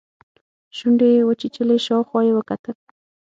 شونډې يې وچيچلې شاوخوا يې وکتل.